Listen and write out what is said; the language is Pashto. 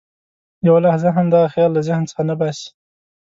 یوه لحظه هم دغه خیال له ذهن څخه نه باسي.